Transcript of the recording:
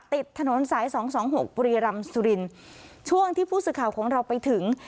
ติดถนนสายสองสองหกบุรีรำสุรินทร์ช่วงที่ผู้สื่อข่าวของเราไปถึง